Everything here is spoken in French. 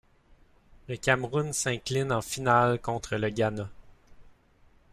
Le Cameroun s'incline en finale contre le Ghana.